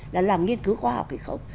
là làm nghiên cứu khoa học hay không